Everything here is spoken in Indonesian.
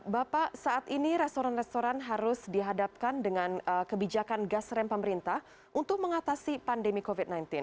bapak saat ini restoran restoran harus dihadapkan dengan kebijakan gas rem pemerintah untuk mengatasi pandemi covid sembilan belas